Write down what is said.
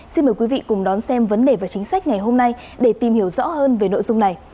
xin mời quý vị cùng đón xem vấn đề và chính sách ngày hôm nay để tìm hiểu rõ hơn về nội dung này